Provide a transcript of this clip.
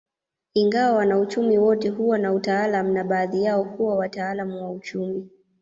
Ingawa wanauchumi wote huwa na utaalamu na baadhi yao huwa wataalamu wa uchumi